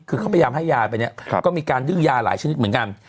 คือเขาพยายามให้ยาไปเนี่ยก็มีการดื้อยาหลายชนิดเหมือนกัน